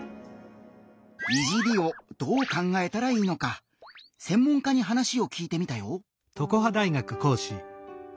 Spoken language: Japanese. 「いじり」をどう考えたらいいのか専門家に話を聞いてみたよ！